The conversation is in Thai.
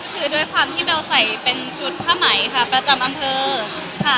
คือด้วยความที่เบลใส่เป็นชุดผ้าไหมค่ะประจำอำเภอค่ะ